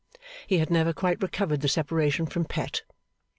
He had never quite recovered the separation from Pet.